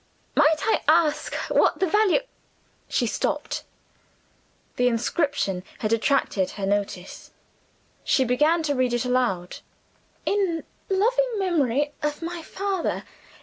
Might I ask what the value ?" She stopped. The inscription had attracted her notice: she began to read it aloud: "In loving memory of my father.